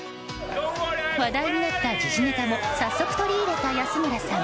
話題になった時事ネタを早速取り入れた安村さん。